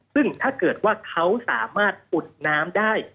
ซึ่งถ้าเกิดว่าเขาสามารถอุดน้ำได้